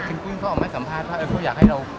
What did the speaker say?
คุณคุณเขาออกมาสัมภาษณ์เพราะอยากให้เรา